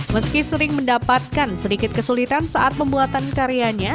meski sering mendapatkan sedikit kesulitan saat pembuatan karyanya